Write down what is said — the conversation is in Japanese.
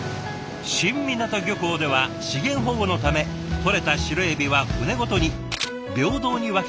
新湊漁港では資源保護のためとれたシロエビは船ごとに平等に分ける共同分配制。